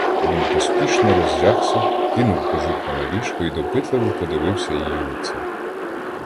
Він поспішно роздягся, кинув кожуха на ліжко й допитливо подивився їй у лице.